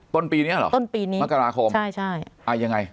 ต้นปีนี้เหรอต้นปีนี้มกราคมใช่ใช่อ่ายังไง